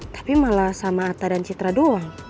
tapi malah sama atta dan citra doang